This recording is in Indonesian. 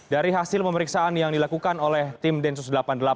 dari hasil pemeriksaan yang dilakukan oleh tim densus delapan puluh delapan